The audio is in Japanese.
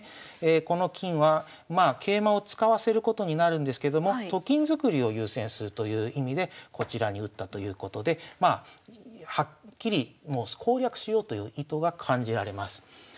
この金はまあ桂馬を使わせることになるんですけどもと金作りを優先するという意味でこちらに打ったということでまあはっきりもう攻略しようという意図が感じられます。